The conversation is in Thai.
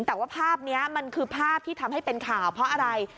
แต่ว่าภาพนี้มันคือภาพที่ทำให้เป็นข่าวเพราะอะไร